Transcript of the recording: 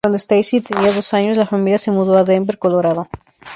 Cuando Stacie tenía dos años la familia se mudó a Denver, Colorado.